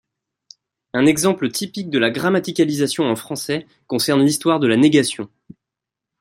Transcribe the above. Un exemple typique de la grammaticalisation en français concerne l'histoire de la négation.